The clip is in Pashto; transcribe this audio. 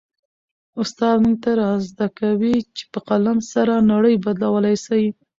استاد موږ ته را زده کوي چي په قلم سره نړۍ بدلولای سي.